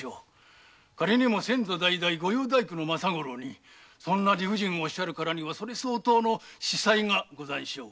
先祖代々御用大工の私にそんな理不尽をおっしゃるからにはそれ相当の子細がござんしょう？